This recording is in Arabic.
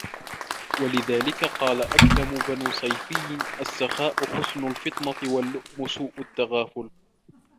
وَلِذَلِكَ قَالَ أَكْثَمُ بْنُ صَيْفِيٍّ السَّخَاءُ حُسْنُ الْفَطِنَةِ وَاللُّؤْمُ سُوءُ التَّغَافُلِ